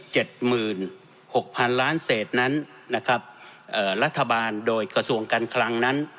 หมื่นหกพันล้านเศษนั้นนะครับเอ่อรัฐบาลโดยกระทรวงการคลังนั้น